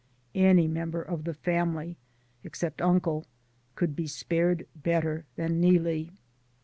Any member of the family, except uncle, could be spared better than Neelie.